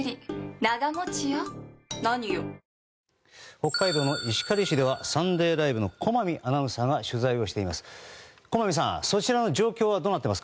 北海道の石狩市では「サンデーＬＩＶＥ！！」の駒見アナウンサーが取材をしています。